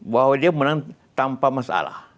bahwa dia menang tanpa masalah